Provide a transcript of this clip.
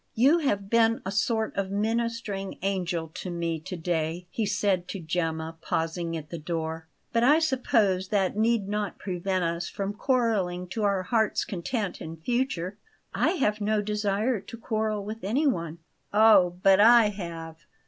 "You have been a sort of ministering angel to me to day," he said to Gemma, pausing at the door. "But I suppose that need not prevent us from quarrelling to our heart's content in future." "I have no desire to quarrel with anyone." "Ah! but I have.